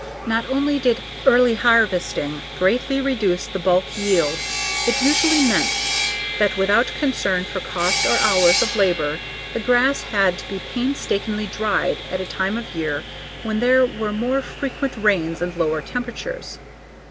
Not only did early harvesting greatly reduce the bulk yield, it usually meant that without concern for cost or hours of labor the grass had to be painstakingly dried at a time of year when there were more frequent rains and lower temperatures.